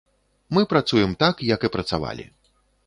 Мы працуем так, як і працавалі.